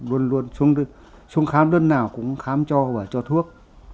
luôn luôn xuống khám đơn nào cũng khám cho và cho thuốc